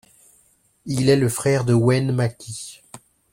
Il est le frère de Wayne Maki.